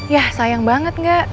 yah sayang banget gak